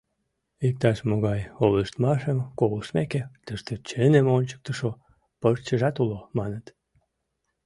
Иктаж-могай ойлыштмашым колыштмеке, тыште чыным ончыктышо пырчыжат уло, маныт.